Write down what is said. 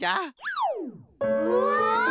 うわ！